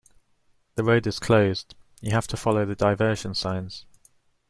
The road is closed. You have to follow the diversion signs